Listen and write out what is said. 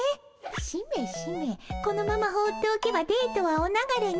しめしめこのまま放っておけばデートはお流れに。